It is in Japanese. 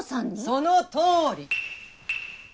そのとおり！